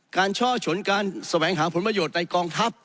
การเช่าอชนการแสงหาผลมโยชน์ในกองทัพ